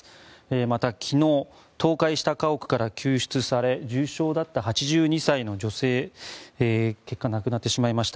また、昨日倒壊した家屋から救出され重傷だった８２歳の女性結果、亡くなってしまいました。